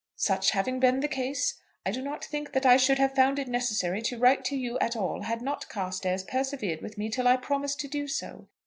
"Such having been the case, I do not think that I should have found it necessary to write to you at all had not Carstairs persevered with me till I promised to do so.